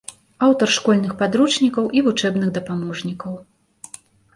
Аўтар школьных падручнікаў і вучэбных дапаможнікаў.